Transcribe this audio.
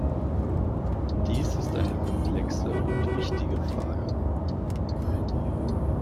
Dies ist eine komplexe und wichtige Frage.